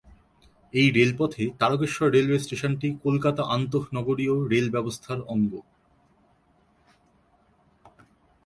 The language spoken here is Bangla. এই রেলপথে তারকেশ্বর রেলওয়ে স্টেশনটি কলকাতা আন্তঃনগরীয় রেল ব্যবস্থার অঙ্গ।